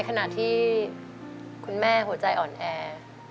ขณะที่คุณแม่หัวใจอ่อนแอ